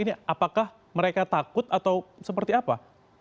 ini apakah mereka takut atau seperti apa